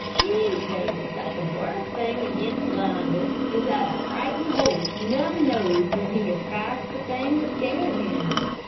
He says that the worst thing against blinders is that a frightened horse never knows when he has passed the thing that scared him.